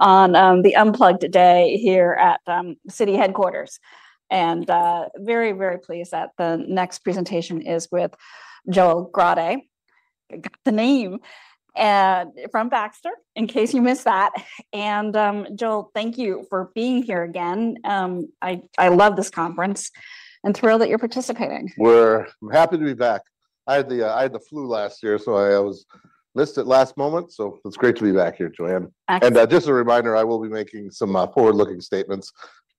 On the Unplugged Day here at Citi Headquarters. Very, very pleased that the next presentation is with Joel Grade. Got the name from Baxter, in case you missed that. Joel, thank you for being here again, I love this conference and thrilled that you're participating. I'm happy to be back. I had the flu last year, so I was listed last moment, so it's great to be back here, Joanne. Excellent. Just a reminder, I will be making some forward-looking statements.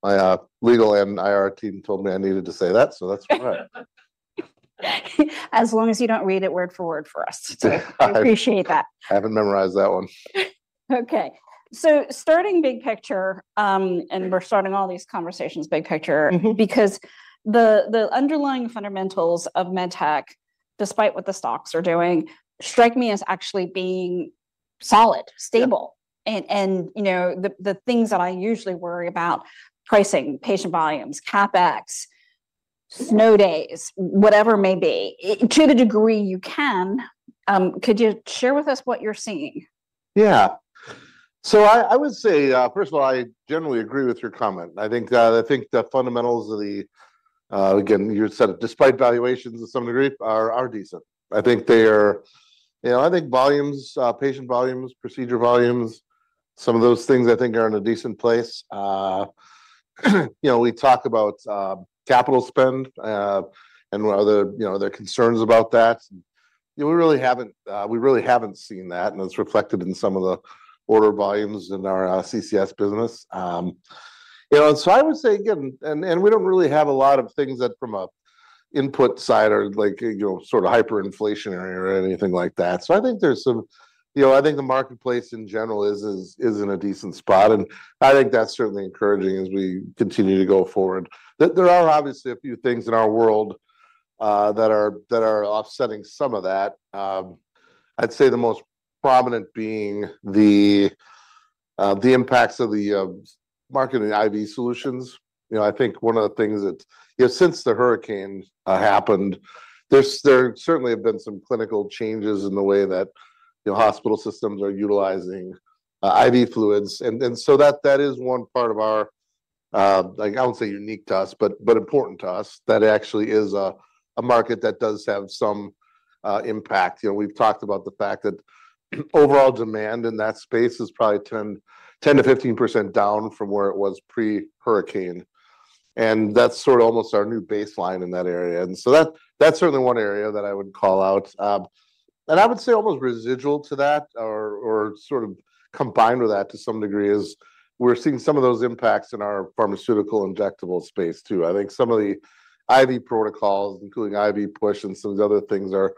My legal and IR team told me I needed to say that, so that's right. As long as you don't read it word for word for us. I appreciate that. I haven't memorized that one. Okay. starting big picture, and we're starting all these conversations big picture. Mm-hmm. The underlying fundamentals of medtech, despite what the stocks are doing, strike me as actually being solid, stable. Yeah. You know, the things that I usually worry about: pricing, patient volumes, CapEx, snow days, whatever it may be. To the degree you can, could you share with us what you're seeing? Yeah. I would say, first of all, I generally agree with your comment. I think that, I think the fundamentals of the, again, you said despite valuations to some degree are decent. I think they are. You know, I think volumes, patient volumes, procedure volumes, some of those things I think are in a decent place. You know, we talk about capital spend, and whether, you know, there are concerns about that. You know, we really haven't seen that, and it's reflected in some of the order volumes in our CCS business. You know, I would say, again, and we don't really have a lot of things that from a input side are like, you know, sort of hyperinflationary or anything like that. I think you know, I think the marketplace in general is in a decent spot, and I think that's certainly encouraging as we continue to go forward. There are obviously a few things in our world that are offsetting some of that. I'd say the most prominent being the impacts of the market and IV solutions. You know, since the hurricane happened, there certainly have been some clinical changes in the way that, you know, hospital systems are utilizing IV fluids. And so that is one part of our like, I won't say unique to us, but important to us, that actually is a market that does have some impact. You know, we've talked about the fact that, overall demand in that space is probably 10-15% down from where it was pre-hurricane. That's sort of almost our new baseline in that area. So that's certainly one area that I would call out. And I would say almost residual to that or sort of combined with that to some degree, is we're seeing some of those impacts in our pharmaceutical injectable space, too. I think some of the IV protocols, including IV push and some of the other things, are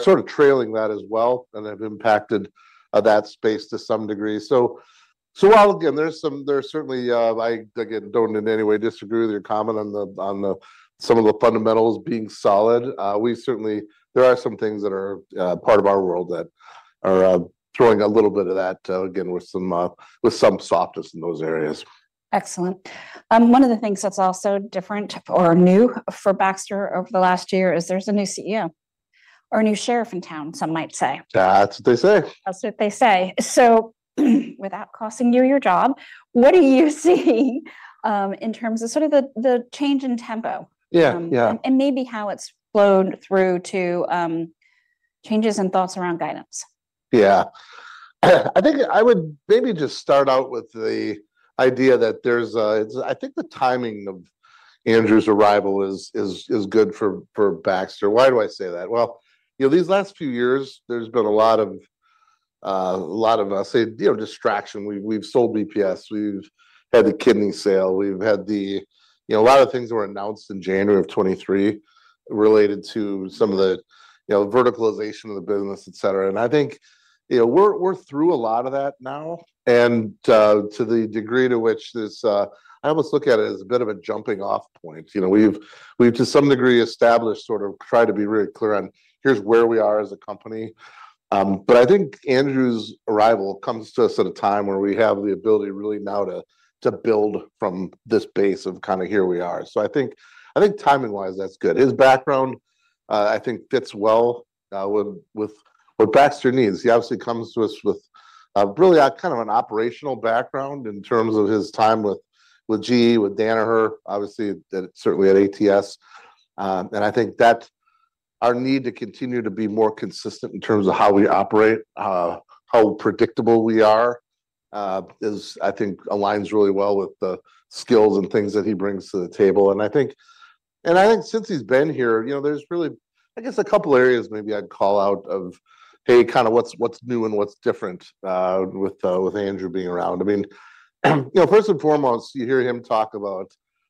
sort of trailing that as well and have impacted that space to some degree. While, again, there are certainly, I, again, don't in any way disagree with your comment on the, some of the fundamentals being solid, we certainly there are some things that are part of our world that are throwing a little bit of that, again, with some softness in those areas. Excellent. One of the things that's also different or new for Baxter over the last year is there's a new CEO, or a new sheriff in town, some might say. That's what they say. That's what they say. Without costing you your job, what do you see, in terms of sort of the change in tempo? Yeah. Yeah. Maybe how it's flowed through to changes and thoughts around guidance. Yeah. I think I would maybe just start out with the idea that I think the timing of Andrew's arrival is good for Baxter. Why do I say that? Well, you know, these last few years, there's been a lot of, you know, distraction. We've sold BPS, we've had the kidney sale. You know, a lot of things were announced in January of 2023 related to some of the, you know, verticalization of the business, et cetera. I think, you know, we're through a lot of that now. To the degree to which this, I almost look at it as a bit of a jumping-off point. You know, we've to some degree established, sort of tried to be really clear on here's where we are as a company. I think Andrew's arrival comes to us at a time where we have the ability really now to build from this base of kind of here we are. I think timing-wise, that's good. His background, I think fits well with what Baxter needs. He obviously comes to us with really a kind of an operational background in terms of his time with GE, with Danaher, obviously, certainly at ATS. I think that our need to continue to be more consistent in terms of how we operate, how predictable we are, is, I think aligns really well with the skills and things that he brings to the table. I think since he's been here, you know, there's really, I guess, a couple areas maybe I'd call out of, hey, kind of what's new and what's different with Andrew being around. I mean, you know, first and foremost, you hear him talk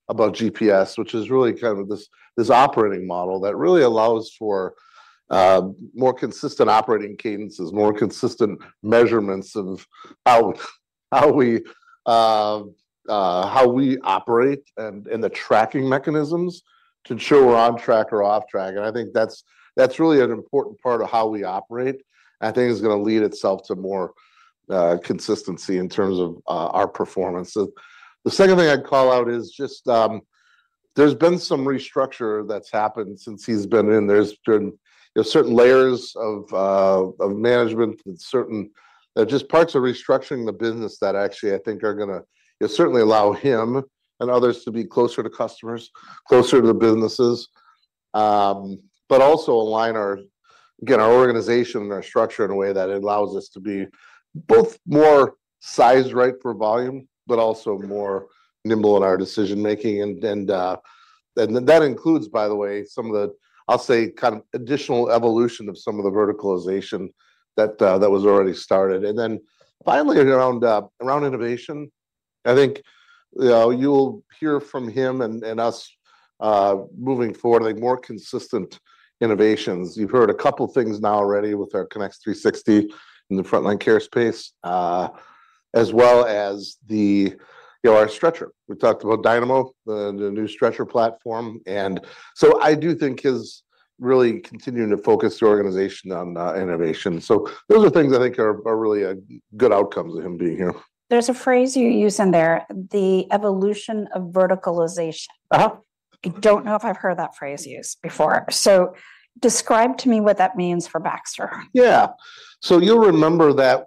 about GPS, which is really kind of this operating model that really allows for more consistent operating cadences, more consistent measurements of how we operate, and the tracking mechanisms to ensure we're on track or off track. I think that's really an important part of how we operate. I think it's gonna lead itself to more consistency in terms of our performance. The second thing I'd call out is just. There's been some restructure that's happened since he's been in. There's been, you know, certain layers of management and certain, just parts of restructuring the business that actually, I think are gonna, certainly allow him and others to be closer to customers, closer to the businesses. Also align our, again, our organization and our structure in a way that it allows us to be both more size-right for volume, but also more nimble in our decision making. That includes, by the way, some of the, I'll say, kind of additional evolution of some of the verticalization that was already started. Finally, around innovation, I think, you know, you'll hear from him and us, moving forward, like more consistent innovations. You've heard a couple things now already with our Connex 360 in the Front Line Care space, as well as, you know, our stretcher. We talked about Dynamo, the new stretcher platform. I do think he's really continuing to focus the organization on innovation. Those are things I think are really good outcomes of him being here. There's a phrase you use in there, the evolution of verticalization. Uh-huh. I don't know if I've heard that phrase used before. Describe to me what that means for Baxter. Yeah. You'll remember that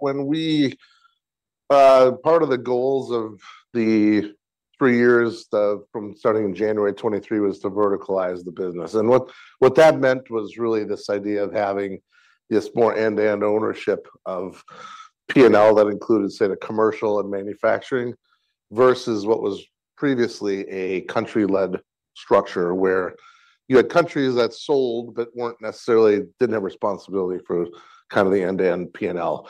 part of the goals of the three years, from starting in January 2023, was to verticalize the business. What that meant was really this idea of having this more end-to-end ownership of P&L that included, say, the commercial and manufacturing, versus what was previously a country-led structure, where you had countries that sold, but didn't have responsibility for kind of the end-to-end P&L.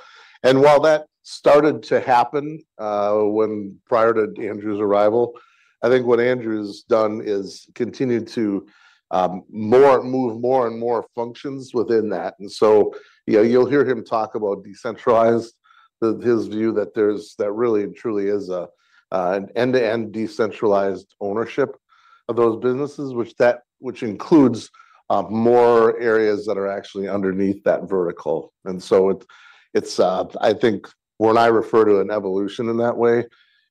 While that started to happen, when prior to Andrew's arrival, I think what Andrew's done is continued to move more and more functions within that. Yeah, you'll hear him talk about decentralized, his view that there's, that really and truly is an end-to-end decentralized ownership of those businesses, which includes more areas that are actually underneath that vertical. it's, I think, when I refer to an evolution in that way,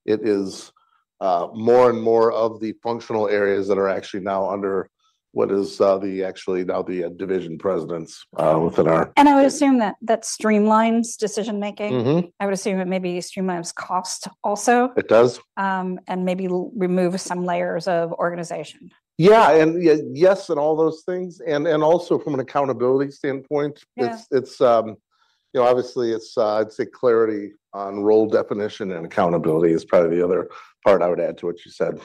it is, more and more of the functional areas that are actually now under what is actually now the division presidents within our- I would assume that that streamlines decision making. Mm-hmm. I would assume it maybe streamlines cost also. It does. Maybe re-remove some layers of organization. Yeah, yes, and all those things, and also from an accountability standpoint... Yeah it's, you know, obviously, it's, I'd say, clarity on role definition and accountability is probably the other part I would add to what you said.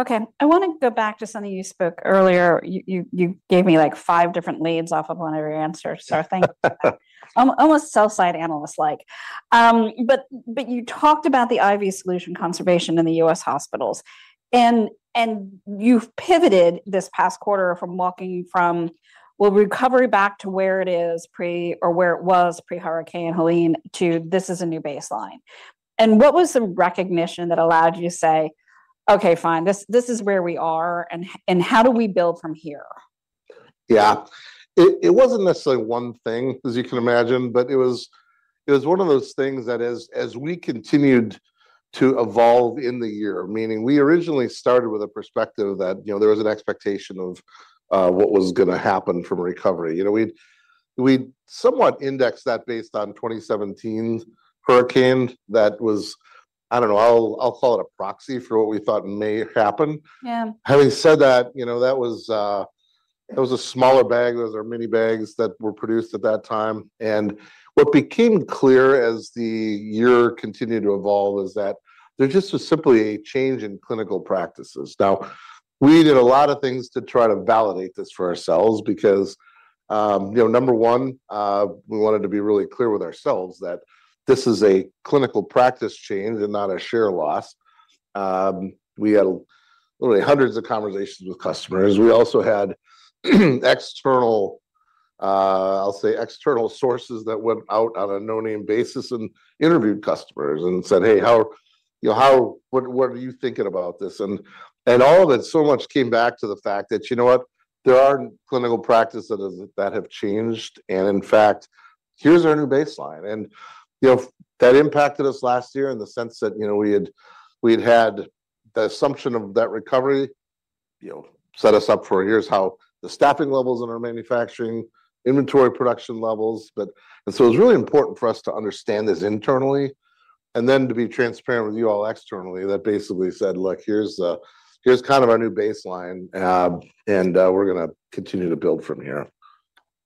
Okay, I wanna go back to something you spoke earlier. You gave me, like, five different leads off of one of your answers. almost sell-side analyst like. you talked about the IV solution conservation in the U.S. hospitals. you've pivoted this past quarter from walking from, well, recovery back to where it was pre-Hurricane Helene to, this is a new baseline. What was the recognition that allowed you to say, "Okay, fine, this is where we are, and how do we build from here? It wasn't necessarily one thing, as you can imagine, but it was one of those things that as we continued to evolve in the year, meaning we originally started with a perspective that, you know, there was an expectation of what was gonna happen from recovery. You know, we'd somewhat indexed that based on 2017 hurricane. That was. I don't know, I'll call it a proxy for what we thought may happen. Yeah. Having said that, you know, that was a smaller bag. Those are mini bags that were produced at that time. What became clear as the year continued to evolve was that there just was simply a change in clinical practices. Now, we did a lot of things to try to validate this for ourselves because, you know, number 1, we wanted to be really clear with ourselves that this is a clinical practice change and not a share loss. We had literally hundreds of conversations with customers. We also had, external, I'll say, external sources that went out on a no-name basis and interviewed customers and said, "Hey, how, you know, what are you thinking about this?" All of it, so much came back to the fact that, you know what? There are clinical practices that have changed. In fact, here's our new baseline. You know, that impacted us last year in the sense that, you know, we'd had the assumption of that recovery, you know, set us up for a year's halt, the staffing levels in our manufacturing, inventory production levels. It was really important for us to understand this internally, and then to be transparent with you all externally, that basically said, "Look, here's kind of our new baseline, we're gonna continue to build from here.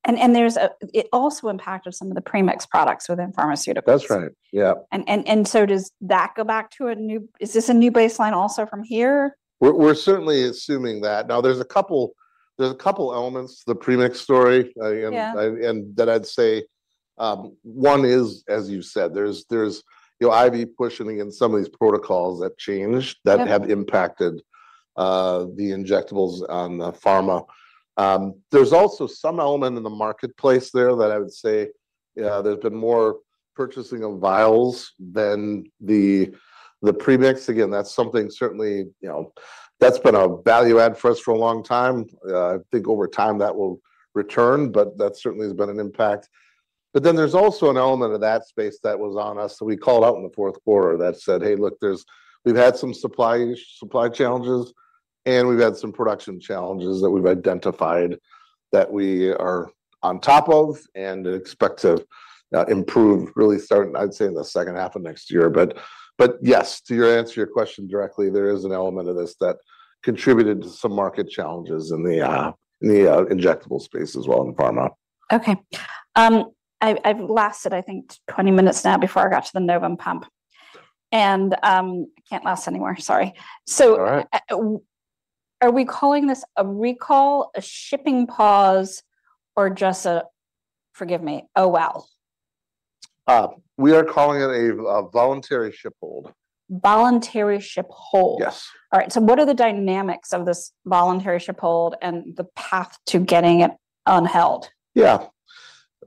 It also impacted some of the premix products within pharmaceuticals. That's right. Yeah. Does that go back to a new baseline also from here? We're certainly assuming that. There's a couple elements, the premix story, I. Yeah... and that I'd say, one is, as you said, there's, you know, IV pushing in some of these protocols. Yeah... that have impacted, the injectables on the pharma. There's also some element in the marketplace there that I would say, yeah, there's been more purchasing of vials than the premix. That's something certainly, you know, that's been a value add for us for a long time. I think over time that will return, but that certainly has been an impact. There's also an element of that space that was on us that we called out in the fourth quarter that said, "Hey, look, we've had some supply issues, supply challenges, and we've had some production challenges that we've identified, that we are on top of and expect to improve really starting, I'd say, in the second half of next year." Yes, to your answer, your question directly, there is an element of this that contributed to some market challenges in the injectable space as well, in the pharma. Okay. I've lasted, I think, 20 minutes now before I got to the Novum pump. I can't last anywhere, sorry. All right. Are we calling this a recall, a shipping pause, or just a, "Forgive me. Oh, well"? We are calling it a voluntary ship hold. voluntary ship hold? Yes. All right, what are the dynamics of this voluntary ship hold and the path to getting it un-held? Yeah.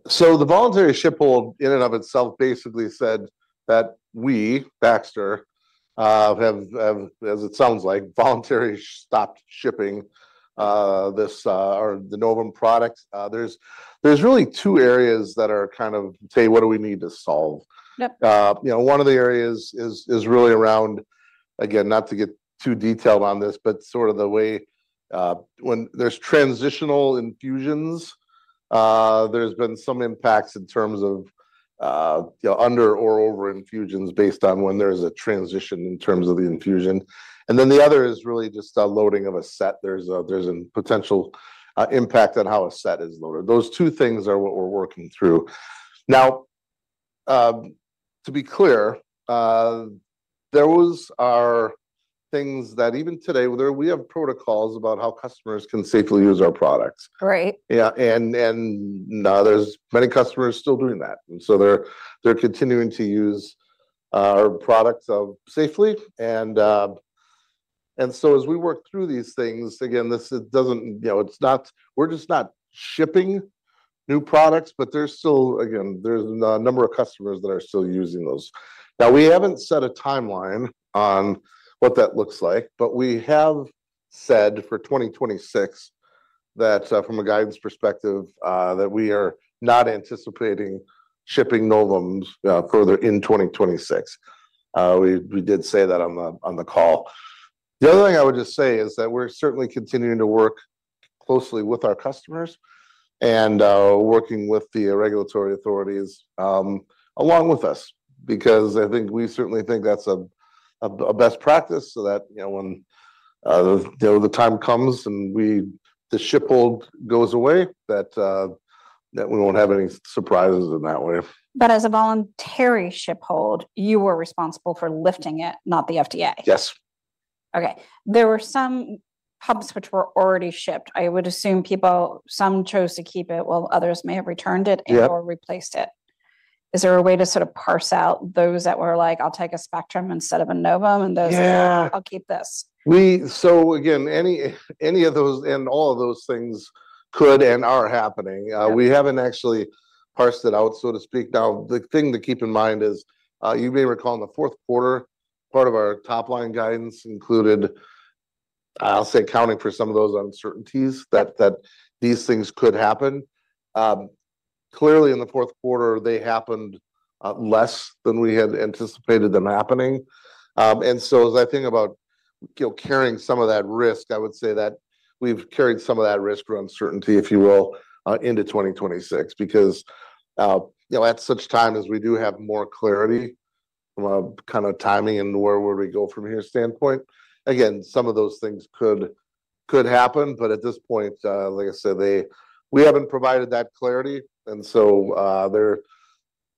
The voluntary ship hold in and of itself basically said that we, Baxter, have, as it sounds like, voluntarily stopped shipping this or the Novum product. There's really two areas that are kind of, say, what do we need to solve? Yep. You know, one of the areas is really around, again, not to get too detailed on this, but sort of the way, when there's transitional infusions, there's been some impacts in terms of, you know, under or over infusions based on when there's a transition in terms of the infusion. The other is really just a loading of a set. There's a potential impact on how a set is loaded. Those two things are what we're working through. Now, to be clear, those are things that even today, where we have protocols about how customers can safely use our products. Great. Yeah, and now there's many customers still doing that. They're continuing to use our products safely. As we work through these things, again, You know, we're just not shipping new products, but there's still, again, a number of customers that are still using those. Now, we haven't set a timeline on what that looks like, but we have said for 2026, that from a guidance perspective, that we are not anticipating shipping Novums further in 2026. We did say that on the call. The other thing I would just say is that we're certainly continuing to work closely with our customers and working with the regulatory authorities along with us, because I think we certainly think that's a best practice so that, you know, when the time comes and the ship hold goes away, that we won't have any surprises in that way. As a voluntary ship hold, you were responsible for lifting it, not the FDA? Yes. Okay. There were some pumps which were already shipped. I would assume people, some chose to keep it, while others may have returned it. Yep Or replaced it. Is there a way to sort of parse out those that were like, "I'll take a Spectrum instead of a Novum," and those-? Yeah. I'll keep this? Again, any of those and all of those things could and are happening. Yeah. We haven't actually parsed it out, so to speak. The thing to keep in mind is, you may recall in the fourth quarter, part of our top-line guidance included, I'll say, accounting for some of those uncertainties, that these things could happen. Clearly, in the fourth quarter, they happened less than we had anticipated them happening. As I think about carrying some of that risk, I would say that we've carried some of that risk or uncertainty, if you will, into 2026. You know, at such time as we do have more clarity, kind of timing and where would we go from here standpoint, again, some of those things could happen, at this point, like I said, we haven't provided that clarity. There.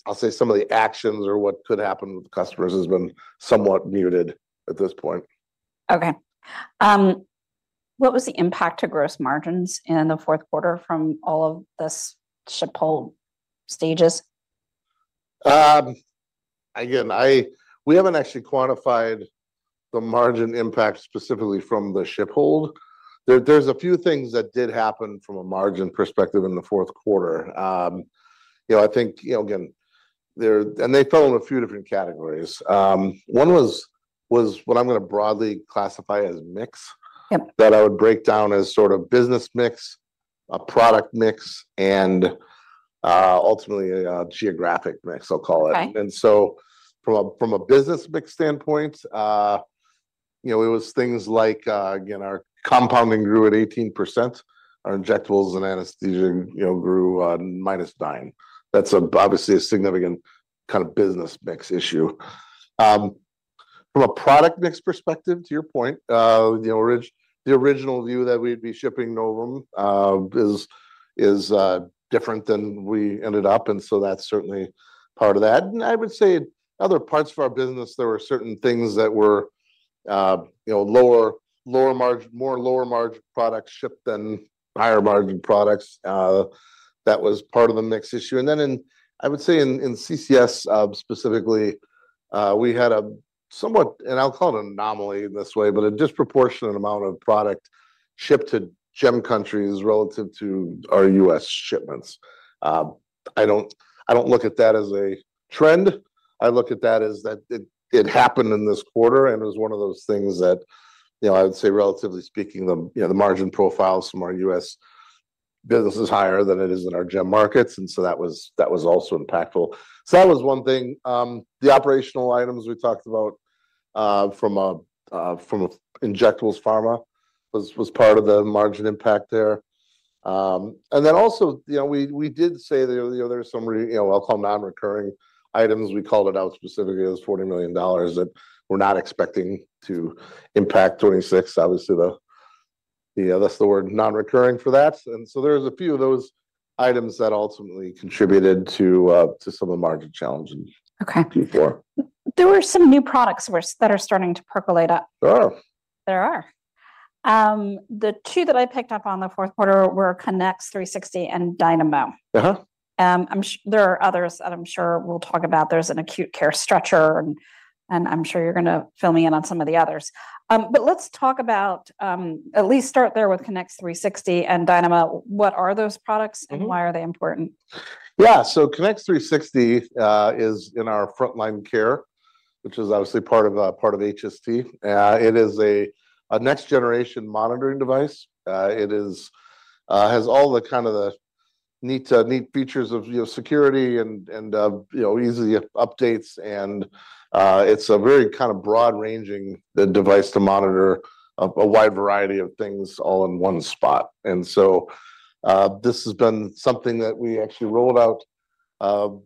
I'll say some of the actions or what could happen with customers has been somewhat muted at this point. What was the impact to gross margins in the fourth quarter from all of this ship hold stages? Again, we haven't actually quantified the margin impact specifically from the ship hold. There's a few things that did happen from a margin perspective in the fourth quarter. You know, I think, you know, again, they fell in a few different categories. One was what I'm gonna broadly classify as mix- Yep... that I would break down as sort of business mix, a product mix, and, ultimately, a, geographic mix, I'll call it. Okay. From a, from a business mix standpoint, it was things like, again, our compounding grew at 18%, our Injectables and Anesthesia grew -9%. That's obviously a significant kind of business mix issue. From a product mix perspective, to your point, the original view that we'd be shipping Novum is different than we ended up, and so that's certainly part of that. I would say other parts of our business, there were certain things that were lower margin, more lower-margin products shipped than higher-margin products. That was part of the mix issue. In, I would say in CCS, specifically, we had a somewhat, and I'll call it an anomaly in this way, but a disproportionate amount of product shipped to GEM countries relative to our US shipments. I don't look at that as a trend. I look at that as it happened in this quarter, and it was one of those things that, you know, I would say, relatively speaking, the margin profile from our US business is higher than it is in our GEM markets, and that was also impactful. That was one thing. The operational items we talked about, from a Injectables pharma was part of the margin impact there. Also, you know, we did say there, you know, there are some, you know, I'll call them non-recurring items. We called it out specifically as $40 million that we're not expecting to impact 2026. Obviously, the, you know, that's the word non-recurring for that, there's a few of those items that ultimately contributed to some of the margin challenge in. Okay. Q4. There were some new products that are starting to percolate up. There are. There are. The two that I picked up on the fourth quarter were Connex 360 and Dynamo. Uh-huh. There are others that I'm sure we'll talk about. There's an acute care stretcher, and I'm sure you're gonna fill me in on some of the others. Let's talk about... At least start there with Connex 360 and Dynamo. What are those products, and why are they important? Connex 360 is in our Front Line Care, which is obviously part of HST. It is a next-generation monitoring device. It has all the kind of the neat features of, you know, security and, you know, easy updates, and it's a very kind of broad-ranging device to monitor a wide variety of things all in one spot. This has been something that we actually rolled out,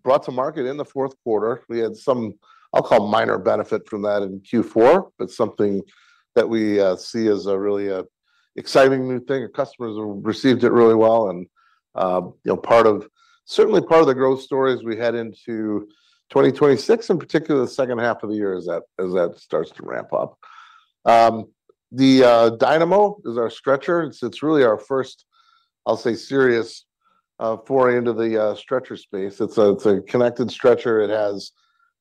brought to market in the fourth quarter. We had some, I'll call, minor benefit from that in Q4, but something that we see as a really exciting new thing, and customers have received it really well and, you know, certainly part of the growth story as we head into 2026, in particular, the second half of the year as that starts to ramp up. The Dynamo is our stretcher. It's really our first, I'll say, serious foray into the stretcher space. It's a connected stretcher. It has,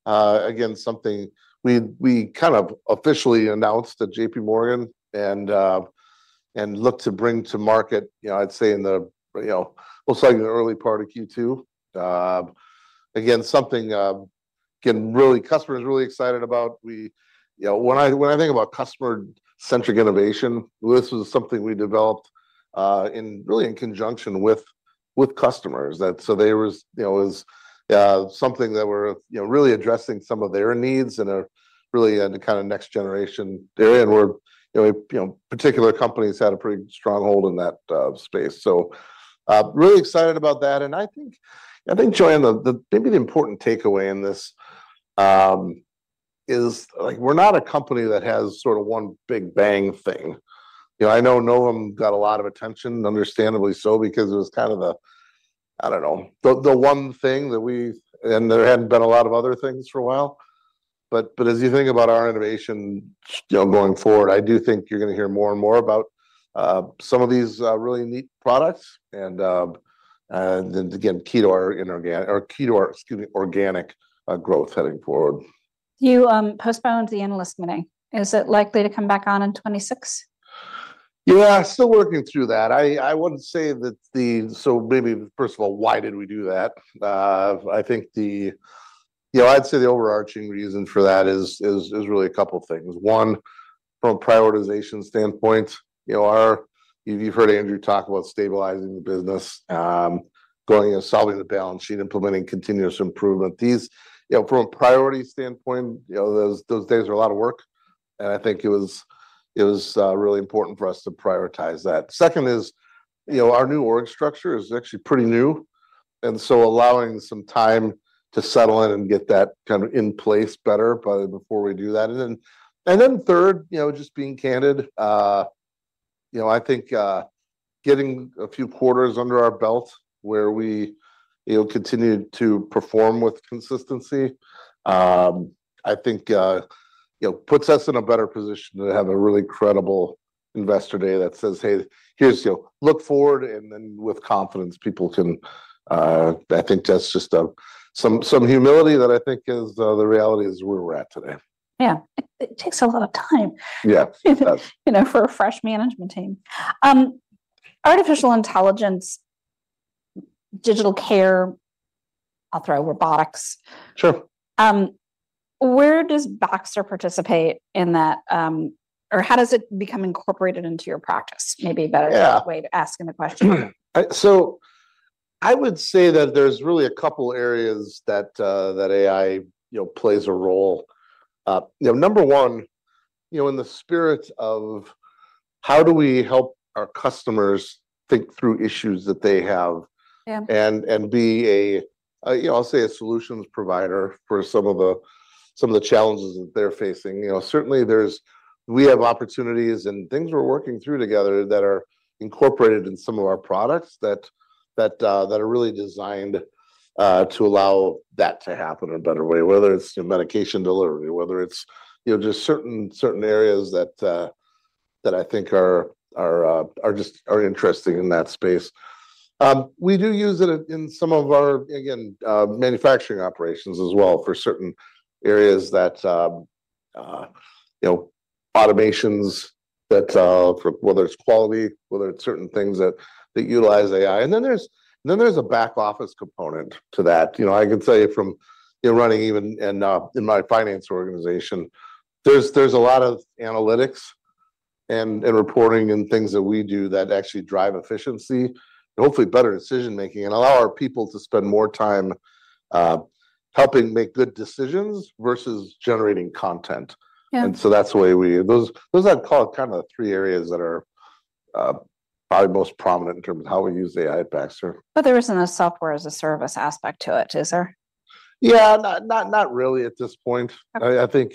again, something we kind of officially announced at JP Morgan, and look to bring to market, you know, I'd say in the, you know, we'll say in the early part of Q2. Again, something, again, really, customers are really excited about. We... You know, when I think about customer-centric innovation, this was something we developed in conjunction with customers. There was, you know, something that we're, you know, really addressing some of their needs and really the kind of next-generation area, and we're, you know, particular companies had a pretty strong hold in that space. Really excited about that, and I think, Joanne, the, maybe the important takeaway in this is, like, we're not a company that has sort of one big bang thing. You know, I know Novum got a lot of attention, understandably so, because it was kind of the, I don't know, the one thing that there hadn't been a lot of other things for a while. As you think about our innovation, you know, going forward, I do think you're gonna hear more and more about some of these really neat products, and then again, key to our inorganic, or key to our, excuse me, organic growth heading forward. You postponed the analyst meeting. Is it likely to come back on in 2026? Yeah, still working through that. I wouldn't say that. Maybe, first of all, why did we do that? You know, I'd say the overarching reason for that is really a couple of things. One, from a prioritization standpoint, you know, our, you've heard Andrew talk about stabilizing the business, growing and solving the balance sheet, implementing continuous improvement. These, you know, from a priority standpoint, you know, those days are a lot of work. I think it was really important for us to prioritize that. Second is, you know, our new org structure is actually pretty new, allowing some time to settle in and get that kind of in place better, before we do that. Then third, you know, just being candid, you know, I think, getting a few quarters under our belt where we, you know, continue to perform with consistency, I think, you know, puts us in a better position to have a really credible investor day that says, "Hey, here's, you know..." Look forward, and then with confidence, people can, I think that's just, some humility that I think is, the reality is where we're at today. Yeah. It takes a lot of time- Yeah, it does. You know, for a fresh management team. Artificial intelligence, digital care, I'll throw robotics. Sure. Where does Baxter participate in that, or how does it become incorporated into your practice? Maybe a better- Yeah. Way of asking the question. I would say that there's really a couple areas that AI, you know, plays a role. You know, number one, you know, in the spirit of how do we help our customers think through issues that they have... Yeah. Be a, you know, I'll say, a solutions provider for some of the challenges that they're facing. You know, certainly, we have opportunities and things we're working through together that are incorporated in some of our products that are really designed to allow that to happen in a better way, whether it's, you know, medication delivery, whether it's, you know, just certain areas that I think are just interesting in that space. We do use it in some of our, again, manufacturing operations as well for certain areas that, you know, automations that for whether it's quality, whether it's certain things that utilize AI. Then there's a back office component to that. You know, I can tell you from, you know, running even in my finance organization, there's a lot of analytics and reporting and things that we do that actually drive efficiency and hopefully better decision-making, and allow our people to spend more time helping make good decisions versus generating content. Yeah. That's the way those I'd call it kind of the three areas that are probably most prominent in terms of how we use AI at Baxter. There isn't a software-as-a-service aspect to it, is there? Yeah, not really at this point. Okay. I think,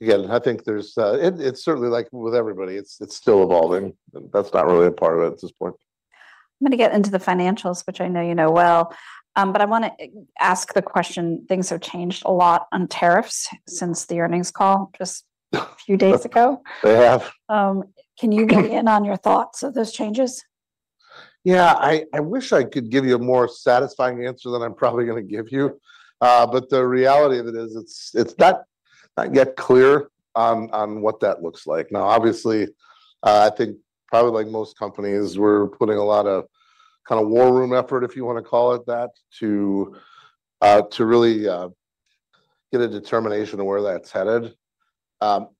again, I think it's certainly like with everybody, it's still evolving. That's not really a part of it at this point. I'm going to get into the financials, which I know you know well, I want to ask the question, things have changed a lot on tariffs since the earnings call a few days ago. They have. Can you weigh in on your thoughts of those changes? Yeah, I wish I could give you a more satisfying answer than I'm probably gonna give you. The reality of it is, it's not yet clear on what that looks like. Now, obviously, I think probably like most companies, we're putting a lot of kind of war room effort, if you wanna call it that, to really get a determination on where that's headed.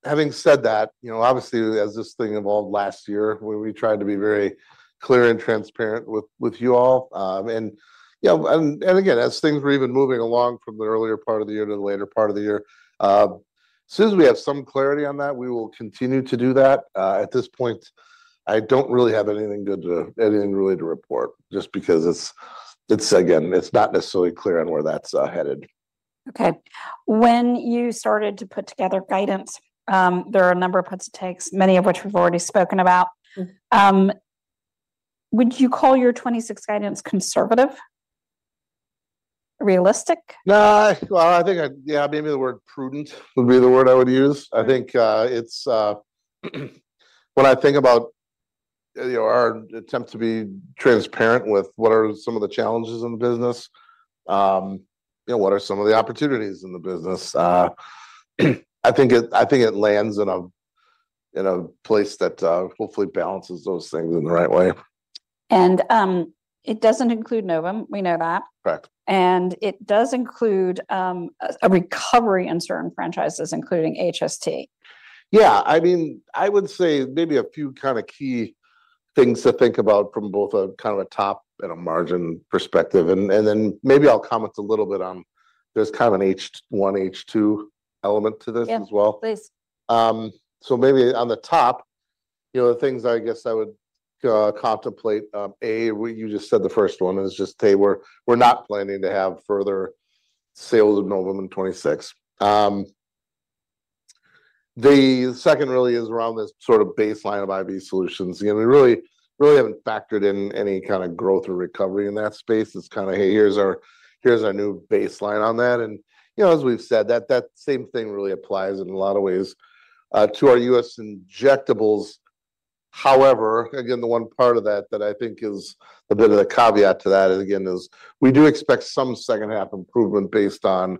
Having said that, you know, obviously, as this thing evolved last year, we tried to be very clear and transparent with you all. You know, and again, as things were even moving along from the earlier part of the year to the later part of the year, as soon as we have some clarity on that, we will continue to do that. At this point, I don't really have anything really to report, just because it's, again, it's not necessarily clear on where that's headed. Okay. When you started to put together guidance, there are a number of puts and takes, many of which we've already spoken about. Would you call your 2026 guidance conservative? Realistic? Nah. Well, I think Yeah, maybe the word prudent would be the word I would use. I think it's when I think about, you know, our attempt to be transparent with what are some of the challenges in the business, you know, what are some of the opportunities in the business? I think it lands in a place that hopefully balances those things in the right way. It doesn't include Novum. We know that. Correct. It does include a recovery in certain franchises, including HST. I mean, I would say maybe a few kind of key things to think about from both a kind of a top and a margin perspective. Maybe I'll comment a little bit on, there's kind of an H1, H2 element to this. Yeah... as well. Please. Maybe on the top, you know, the things I guess I would contemplate, well, you just said the first one, is just, we're not planning to have further sales of Novum in 2026. The second really is around this sort of baseline of IV solutions. You know, we really haven't factored in any kind of growth or recovery in that space. It's kind of, Hey, here's our new baseline on that. You know, as we've said, that same thing really applies in a lot of ways to our U.S. injectables. Again, the one part of that that I think is a bit of a caveat to that, and again, is we do expect some second half improvement based on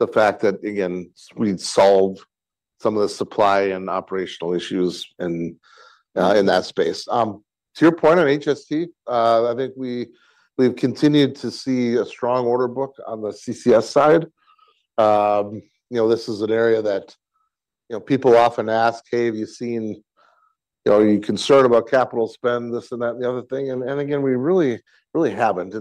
the fact that, again, we'd solved some of the supply and operational issues in that space. To your point on HST, I think we've continued to see a strong order book on the CCS side. You know, this is an area that, you know, people often ask, "Hey, you know, are you concerned about capital spend?" This, that, and the other thing, and again, we really haven't.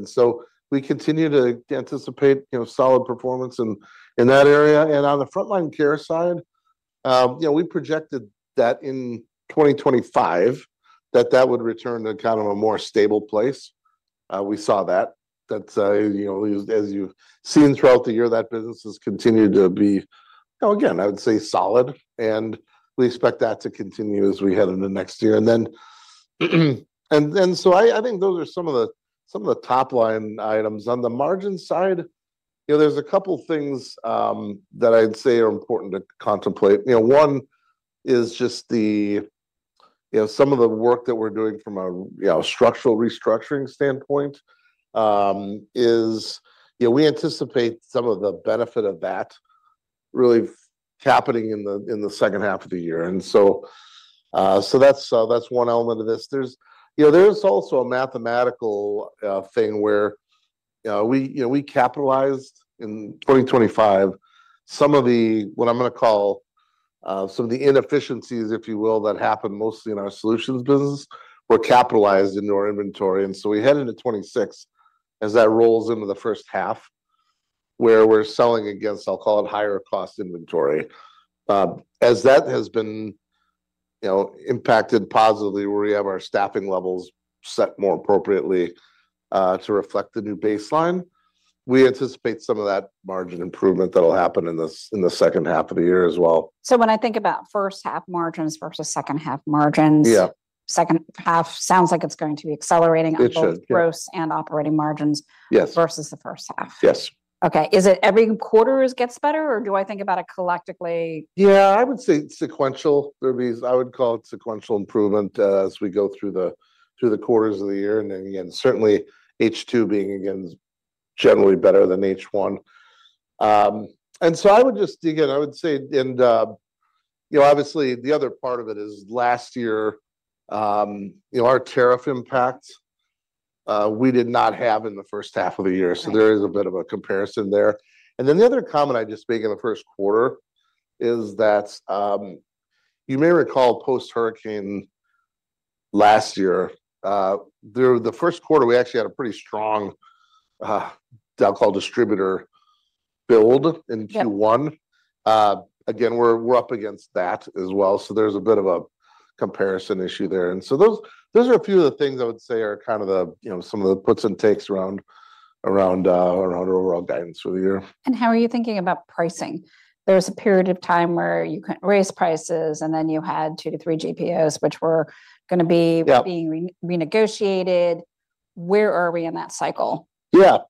We continue to anticipate, you know, solid performance in that area. On the Front Line Care side, you know, we projected that in 2025, that would return to kind of a more stable place. We saw that. That's, you know, as you've seen throughout the year, that business has continued to be, again, I would say, solid, and we expect that to continue as we head into next year. I think those are some of the top-line items. On the margin side, you know, there's a couple of things that I'd say are important to contemplate. You know, one is just the, you know, some of the work that we're doing from a, you know, structural restructuring standpoint, is, you know, we anticipate some of the benefit of that really happening in the second half of the year. That's one element of this. There's, you know, there's also a mathematical thing where, we, you know, we capitalized in 2025, some of the, what I'm gonna call, some of the inefficiencies, if you will, that happened mostly in our solutions business, were capitalized into our inventory. We head into 2026, as that rolls into the first half, where we're selling against, I'll call it, higher cost inventory. As that has been, you know, impacted positively, where we have our staffing levels set more appropriately, to reflect the new baseline, we anticipate some of that margin improvement that'll happen in the, in the second half of the year as well. When I think about first half margins versus second half margins. Yeah. Second half sounds like it's going to be accelerating. It should, yeah. On both gross and operating margins Yes Versus the first half. Yes. Okay, is it every quarter it gets better, or do I think about it collectively? Yeah, I would say sequential. There is, I would call it sequential improvement, as we go through the quarters of the year. Again, certainly H2 being generally better than H1. I would just, again, I would say, you know, obviously, the other part of it is last year, you know, our tariff impact, we did not have in the first half of the year. Right. There is a bit of a comparison there. The other comment I'd just make in the first quarter is that, you may recall post-hurricane last year, the first quarter, we actually had a pretty strong, down channel distributor build. Yeah... in Q1. Again, we're up against that as well, so there's a bit of a comparison issue there. Those are a few of the things I would say are kind of the, you know, some of the puts and takes around our overall guidance for the year. How are you thinking about pricing? There's a period of time where you couldn't raise prices, you had two to three GPOs. Yeah... being renegotiated. Where are we in that cycle? Last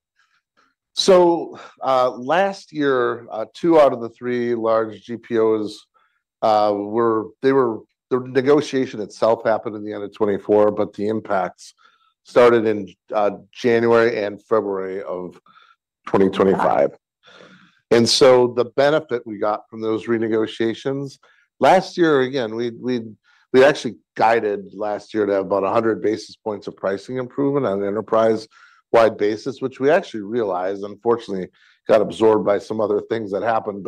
year, two out of the three large GPOs, the negotiation itself happened in the end of 2024, but the impacts started in January and February of 2025. Got it. The benefit we got from those renegotiations, last year, again, we actually guided last year to have about 100 basis points of pricing improvement on an enterprise-wide basis, which we actually realized, unfortunately, got absorbed by some other things that happened.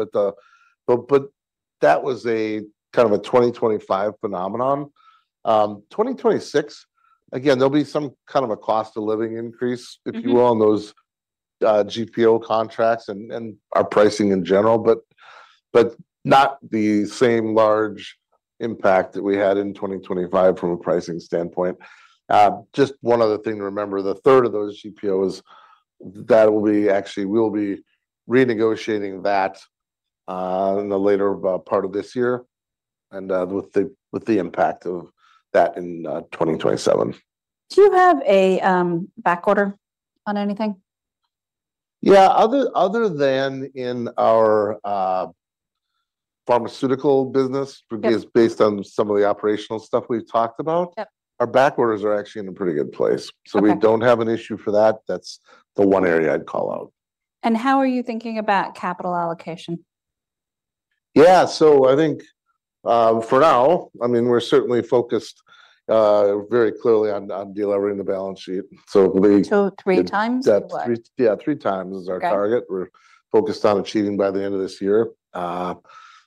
That was a, kind of a 2025 phenomenon. 2026, again, there'll be some kind of a cost of living increase- Mm-hmm... if you will, on those, GPO contracts and our pricing in general. Not the same large impact that we had in 2025 from a pricing standpoint. Just one other thing to remember, the third of those GPOs, actually, we'll be renegotiating that in the later part of this year, and with the impact of that in 2027. Do you have a backorder on anything? Yeah, other than in our pharmaceutical business- Yeah... which is based on some of the operational stuff we've talked about. Yep Our backorders are actually in a pretty good place. Okay. We don't have an issue for that. That's the one area I'd call out. How are you thinking about capital allocation? Yeah, I think, for now, I mean, we're certainly focused, very clearly on de-levering the balance sheet. Three times or what? Yeah, three times is our target. Okay... we're focused on achieving by the end of this year.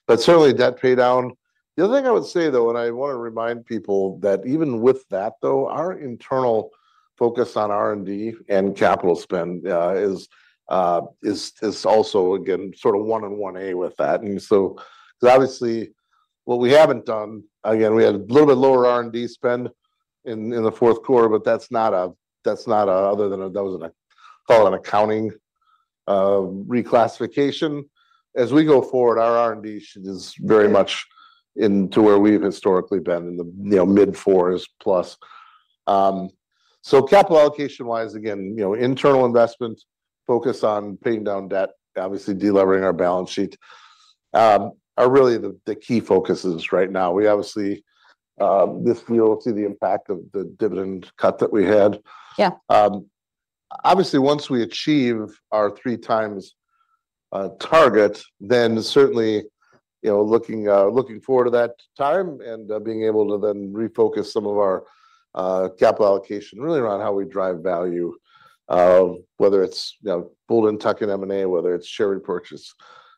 Certainly debt paydown. The other thing I would say, though, I want to remind people that even with that, though, our internal focus on R&D and capital spend is also again, sort of one and one A with that. Obviously, what we haven't done, again, we had a little bit lower R&D spend in the fourth quarter, but that's not a other than that was a, call it, an accounting reclassification. As we go forward, our R&D is very much. Yeah... into where we've historically been in the, you know, mid-four is plus. Capital allocation-wise, again, you know, internal investment, focus on paying down debt, obviously de-levering our balance sheet, are really the key focuses right now. We obviously, this, we'll see the impact of the dividend cut that we had. Yeah. Obviously, once we achieve our three times target, then certainly, you know, looking forward to that time and being able to then refocus some of our capital allocation really around how we drive value, whether it's, you know, bold in tuck in M&A, whether it's share repurchase,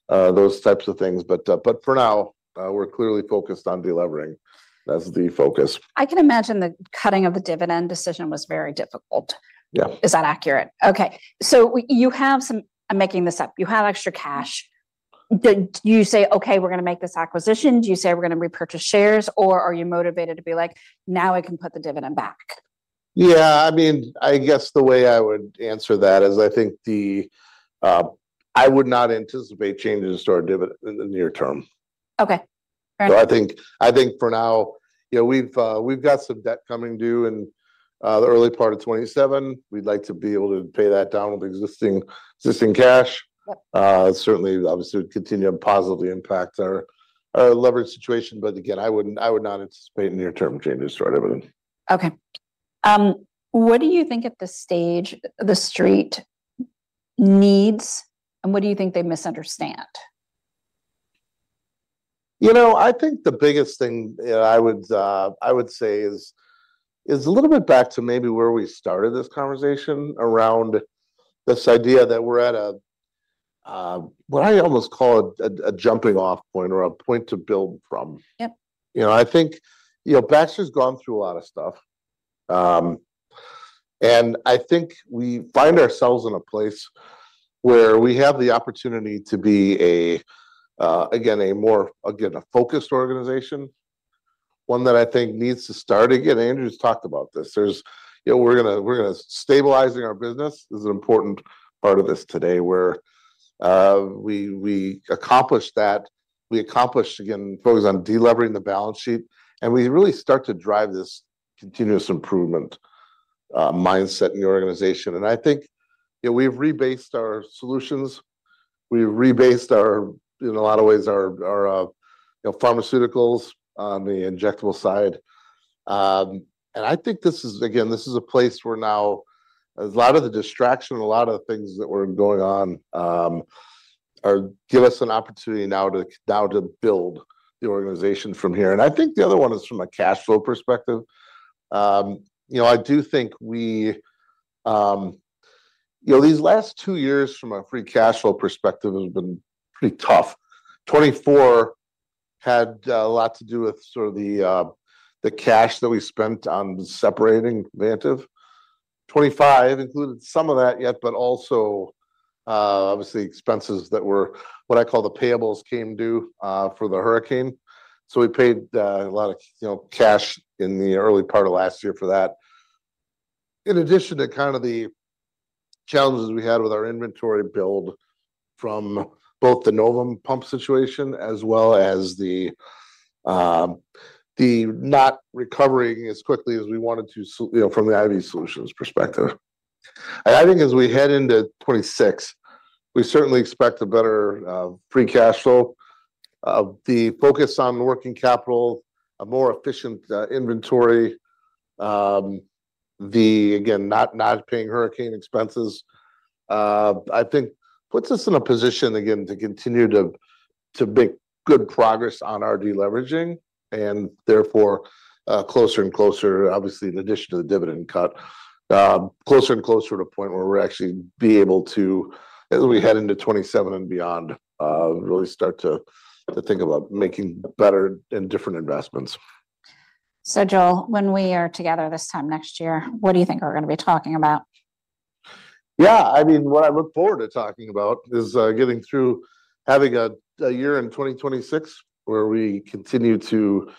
those types of things. For now, we're clearly focused on de-levering. That's the focus. I can imagine the cutting of the dividend decision was very difficult. Yeah. Is that accurate? Okay, you have some... I'm making this up. You have extra cash. Did you say, "Okay, we're gonna make this acquisition?" Do you say, "We're gonna repurchase shares," or are you motivated to be like, "Now I can put the dividend back? I mean, I guess the way I would answer that is, I think the, I would not anticipate changes to our dividend in the near term. Okay, great. I think for now, you know, we've got some debt coming due in the early part of 2027. We'd like to be able to pay that down with existing cash. Yeah. Certainly, obviously, it would continue to positively impact our leverage situation. Again, I would not anticipate near-term changes to our dividend. What do you think at this stage the street needs, and what do you think they misunderstand? You know, I think the biggest thing, I would say is a little bit back to maybe where we started this conversation around this idea that we're at a, what I almost call a jumping off point or a point to build from. Yep. You know, I think, you know, Baxter's gone through a lot of stuff. I think we find ourselves in a place where we have the opportunity to be a, again, a more, again, a focused organization, one that I think needs to start again. Andrew's talked about this. There's, you know, stabilizing our business is an important part of this today, where we accomplish that, we accomplish, again, focus on de-levering the balance sheet, and we really start to drive this continuous improvement mindset in the organization. I think, you know, we've rebased our solutions... We've rebased our, in a lot of ways, our, you know, pharmaceuticals on the injectable side. I think this is, again, this is a place where now a lot of the distraction, a lot of the things that were going on, give us an opportunity now to build the organization from here. I think the other one is from a cash flow perspective. You know, I do think we. You know, these last two years from a free cash flow perspective, has been pretty tough. 2024 had a lot to do with sort of the cash that we spent on separating Vantive. 2025 included some of that yet, but also, obviously, expenses that were, what I call the payables, came due for the hurricane. We paid a lot of you know, cash in the early part of last year for that. In addition to kind of the challenges we had with our inventory build from both the Novum pump situation, as well as the not recovering as quickly as we wanted to you know, from the IV solutions perspective. I think as we head into 2026, we certainly expect a better free cash flow. The focus on working capital, a more efficient inventory, the again, not paying hurricane expenses, I think puts us in a position again, to continue to make good progress on our deleveraging, and therefore, closer and closer, obviously, in addition to the dividend cut, closer and closer to a point where we're actually be able to, as we head into 2027 and beyond, really start to think about making better and different investments. Joel, when we are together this time next year, what do you think we're gonna be talking about? Yeah, I mean, what I look forward to talking about is getting through having a year in 2026, where we continue to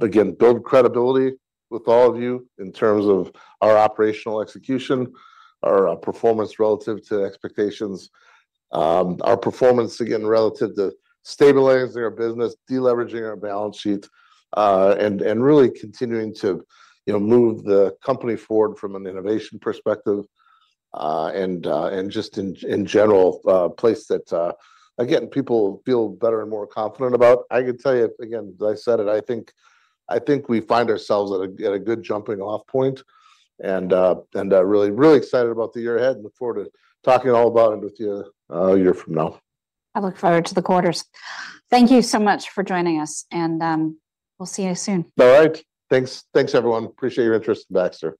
again, build credibility with all of you in terms of our operational execution, our performance relative to expectations, our performance, again, relative to stabilizing our business, deleveraging our balance sheet, and really continuing to, you know, move the company forward from an innovation perspective, and just in general, a place that again, people feel better and more confident about. I can tell you, again, as I said it, I think we find ourselves at a good jumping-off point, and really excited about the year ahead, and look forward to talking all about it with you a year from now. I look forward to the quarters. Thank you so much for joining us, and we'll see you soon. All right. Thanks. Thanks, everyone. Appreciate your interest in Baxter.